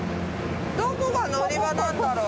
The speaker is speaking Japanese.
どこが乗り場なんだろう。